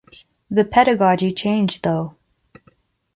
The pedagogy changed though.